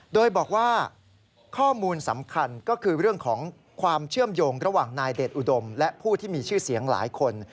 โดยบอกว่าข้อมูลสำคัญก็คือเรื่องของความเชื่อมโยงระหว่างนายเดชอุดมและผู้ที่มีชื่อเสียงหลายคน